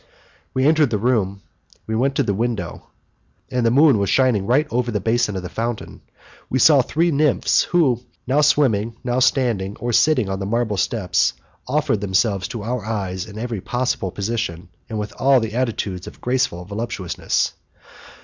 We entered the room, we went to the window, and, the moon shining right over the basin of the fountain, we saw three nymphs who, now swimming, now standing or sitting on the marble steps, offered themselves to our eyes in every possible position, and in all the attitudes of graceful voluptuousness.